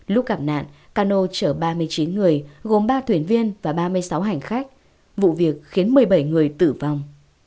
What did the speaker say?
lúc gặp nạn cano chở ba mươi chín người gồm ba thuyền viên và ba mươi sáu hành khách vụ việc khiến một mươi bảy người tử vong